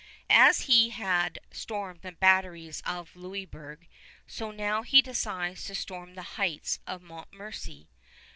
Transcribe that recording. As he had stormed the batteries of Louisburg, so now he decides to storm the heights of Montmorency.